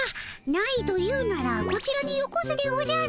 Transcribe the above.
ないと言うならこちらによこすでおじゃる。